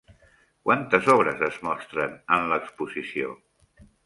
Quantes obres es mostren en l'exposició?